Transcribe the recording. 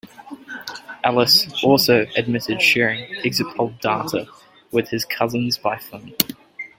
Ellis also admitted sharing exit-poll data with his cousins by phone.